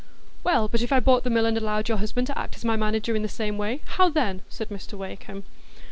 "Well, but if I bought the mill, and allowed your husband to act as my manager in the same way, how then?" said Mr Wakem.